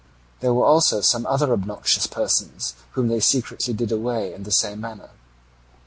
There were also some other obnoxious persons whom they secretly did away with in the same manner.